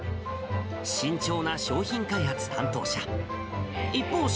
慎重な商品開発担当者。